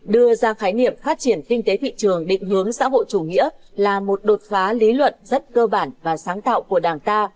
đưa ra khái niệm phát triển kinh tế thị trường định hướng xã hội chủ nghĩa là một đột phá lý luận rất cơ bản và sáng tạo của đảng ta